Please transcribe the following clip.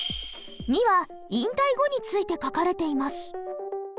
２は引退後について書かれています。